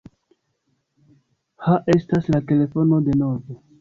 Ha estas la telefono denove.